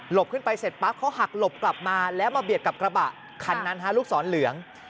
ขึ้นไปเสร็จปั๊บเขาหักหลบกลับมาแล้วมาเบียดกับกระบะคันนั้นลูกศรเหลือง